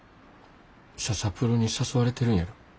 ササプロに誘われてるんやろ？